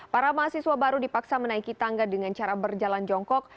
para mahasiswa baru dipaksa menaiki tangga dengan cara berjalan jongkok